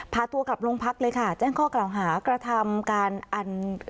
พาตัวกลับโรงพักเลยค่ะแจ้งข้อกล่าวหากระทำการอัน